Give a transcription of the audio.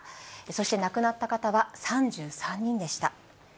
そして亡くなった方は３３人でした。